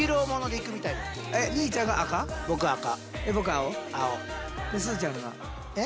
ですずちゃんが。え？